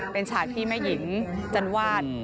เป็นฉากที่แม่หญิงจันวาด